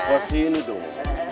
ke sini dong